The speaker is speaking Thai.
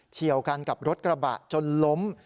ี่ยวกันกับรถกระบะจนล้ม